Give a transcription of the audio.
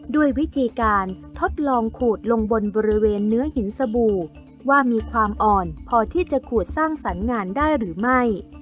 ด้วยวิธีการทดลองขูดลงบนบริเวณเนื้อหินสบู่ว่ามีความอ่อนพอที่จะขูดสร้างสรรค์งานได้หรือไม่